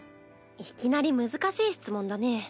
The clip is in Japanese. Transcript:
いきなり難しい質問だね。